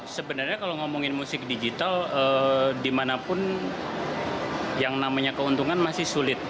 sebenarnya kalau ngomongin musik digital dimanapun yang namanya keuntungan masih sulit